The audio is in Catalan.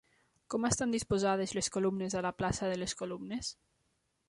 Com estan disposades les columnes a la plaça de les Columnes?